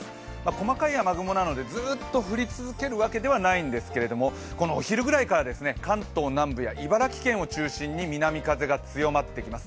細かい雨雲なのでずっと降り続けるわけではないんですけれども、お昼ぐらいから関東南部や茨城県を中心に南風が強まってきます。